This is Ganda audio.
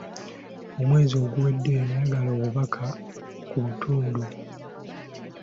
Omwezi oguwedde, nayagala obubaka ku butunda